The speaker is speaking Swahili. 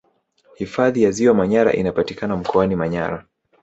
hifadhi ya ziwa manyara inapatikana mkoani manyara